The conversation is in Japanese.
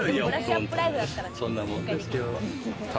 そんなもんですよ。